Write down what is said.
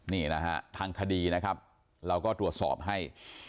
นี่นะฮะทางคดีนะครับเราก็ตรวจสอบให้